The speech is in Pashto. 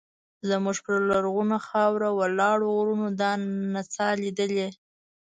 زموږ پر لرغونې خاوره ولاړو غرونو دا نڅا لیدلې.